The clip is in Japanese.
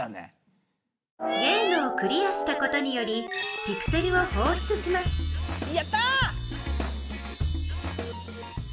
ゲームをクリアしたことによりピクセルをほうしゅつしますやった！